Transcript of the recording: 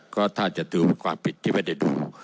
ก็ถ้าจะถือความผิดที่ไม่ได้ดู